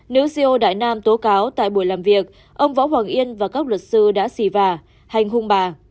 nữ ceo đại nam tố cáo tại buổi làm việc ông võ hoàng yên và các luật sư đã xì vào hành hung bà